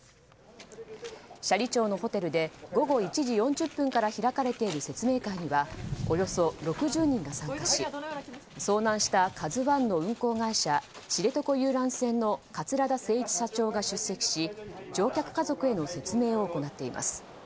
斜里町のホテルで午後１時４０分から開かれている説明会にはおよそ６０人が参加し遭難した「ＫＡＺＵ１」の運航会社、知床遊覧船の桂田精一社長が出席し乗客家族への説明を行っています。